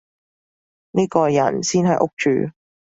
呢個人先係屋主